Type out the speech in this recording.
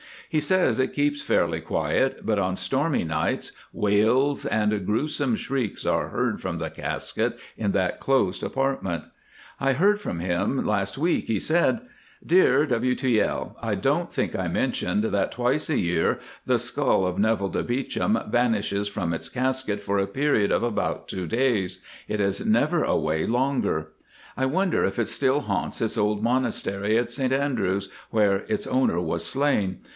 He says it keeps fairly quiet, but on stormy nights wails and gruesome shrieks are heard from the casket in that closed apartment. I heard from him last week. He said:— "DEAR W. T. L.,—I don't think I mentioned that twice a year the skull of Neville de Beauchamp vanishes from its casket for a period of about two days. It is never away longer. "I wonder if it still haunts its old monastery at St Andrews where its owner was slain.